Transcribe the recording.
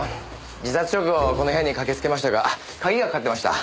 自殺直後この部屋に駆けつけましたが鍵がかかってました。